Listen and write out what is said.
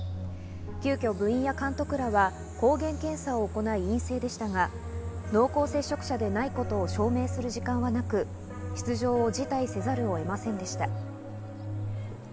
急きょ部員や監督らは抗原検査を行い陰性でしたが、濃厚接触者でないことを証明する時間はなく、出場を辞退せざるを得ませんでした。